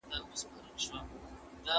ماشومان باید خپل لاسونه پاک ومینځي.